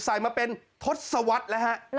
ใส่มาเป็นทศวรรษแล้วฮะ